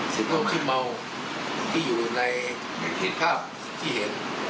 สิ่งที่เมาที่อยู่ในผิดภาพที่เห็น